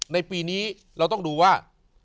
ในปีนี้เราต้องดูว่า